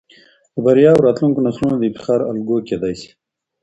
د بريا او راتلونکو نسلونه د افتخار الګو کېدى شي.